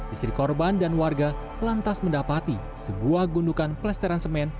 istri korban dan warga lantas mendapati sebuah gundukan pelesteran semen